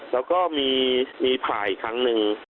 แล้วก็มีผ่าอีกครั้งหนึ่ง